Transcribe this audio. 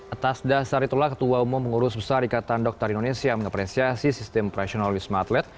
atas dasar itulah ketua umum pengurus besar ikatan dokter indonesia mengapresiasi sistem operasional wisma atlet